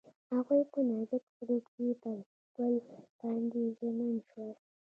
هغوی په نازک غروب کې پر بل باندې ژمن شول.